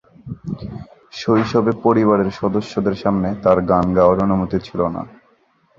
শৈশবে পরিবারের সদস্যদের সামনে তার গান গাওয়ার অনুমতি ছিল না।